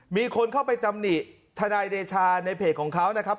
มีคนเข้าไปตำหนิทนายเดชาในเพจของเขานะครับ